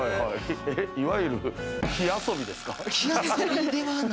いわゆる火遊びですか？